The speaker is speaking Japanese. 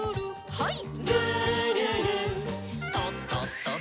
はい。